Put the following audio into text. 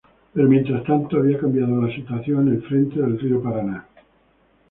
Pero, mientras tanto, había cambiado la situación en el frente del río Paraná.